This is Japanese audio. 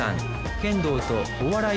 剣道とお笑い